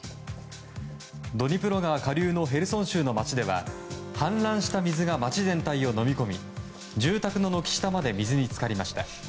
ドニプロ川下流のヘルソン州の街では氾濫した水が街全体をのみ込み住宅の軒下まで水に浸かりました。